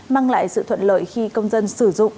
mang lại sự thuận lợi khi công dân sử dụng